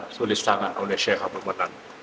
ditulis tangan oleh sheikh abdul manan